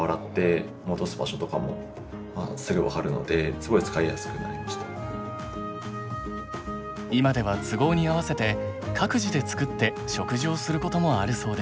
すごくまずは使ったあと洗って今では都合に合わせて各自でつくって食事をすることもあるそうです。